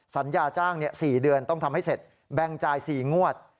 สัญญาจ้าง๔เดือนต้องทำให้เสร็จแบ่งจ่าย๔งวด